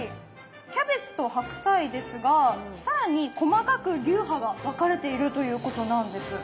キャベツと白菜ですが更に細かく流派が分かれているということなんです。